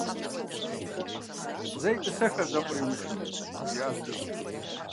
«Зэ етӏысэх, ӏэжьэкъур йумычу», жиӏащ лӏыжьым.